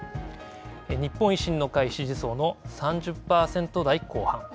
日本維新の会支持層の３０％台後半。